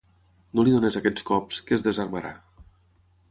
No li donis aquests cops, que es desarmarà.